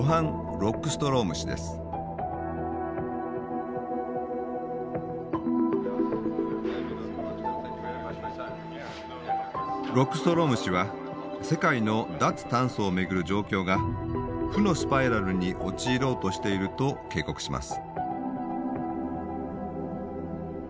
ロックストローム氏は世界の脱炭素を巡る状況が負のスパイラルに陥ろうとしていると警告します。